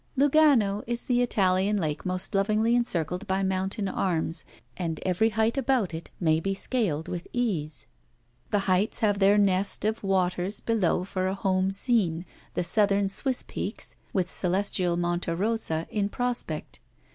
Lugano is the Italian lake most lovingly encircled by mountain arms, and every height about it may be scaled with esce. The heights have their nest of waters below for a home scene, the southern Swiss peaks, with celestial Monta Rosa, in prospect.